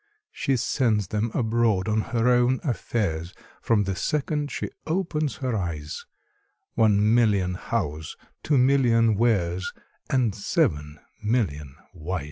She sends 'em abroad on her own affairs, From the second she opens her eyes One million Hows, two million Wheres, And seven million Whys!